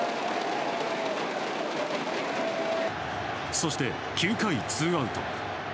そして、９回ツーアウト。